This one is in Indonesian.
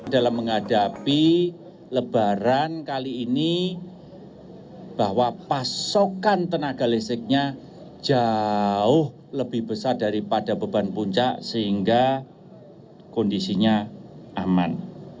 dalam menghadapi lebaran kali ini bahwa pasokan tenaga listriknya jauh lebih besar daripada beban puncak sehingga kondisinya aman